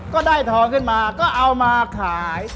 ก็ได้ทองขึ้นมาก็เอามาขาย